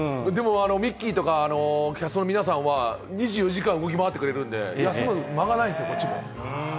でも、ミッキーとかキャストの皆さんは２４時間動き回ってくれるので、休む間がないですもん。